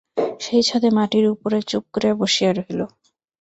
সেই ছাদে মাটির উপরে চুপ করিয়া বসিয়া রহিল।